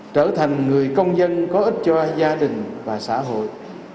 trở thành người công dân có ích cho gia đình và xã hội